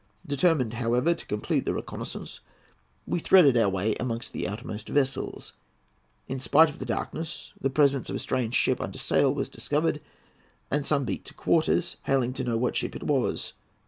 Determined, however, to complete the reconnoisance, we threaded our way amongst the outermost vessels. In spite of the darkness, the presence of a strange ship under sail was discovered, and some beat to quarters, hailing to know what ship it was.